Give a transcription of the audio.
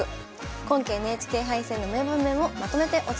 今期ＮＨＫ杯戦の名場面をまとめてお伝えします。